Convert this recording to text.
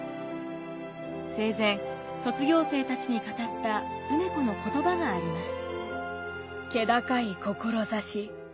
生前卒業生たちに語った梅子の言葉があります。